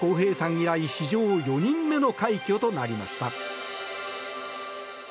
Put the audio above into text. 以来史上４人目の快挙となりました。